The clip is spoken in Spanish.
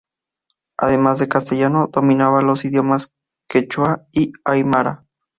Además del castellano, dominaba los idiomas quechua y aimara.